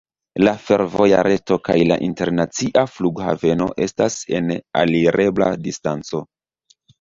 La fervoja reto kaj la internacia flughaveno estas en alirebla distanco.